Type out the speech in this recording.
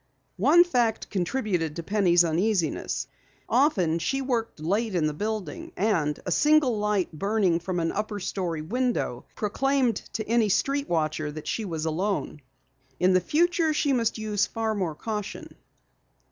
One fact contributed to Penny's uneasiness. Often she worked late in the building, and a single light burning from an upper story window proclaimed to any street watcher that she was alone. In the future she must use far more caution.